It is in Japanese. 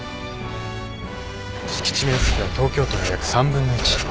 敷地面積は東京都の約３分の１。